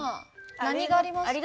何がありますか？